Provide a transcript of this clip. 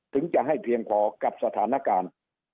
ถึงจะให้เพียงพอกับสถานการณ์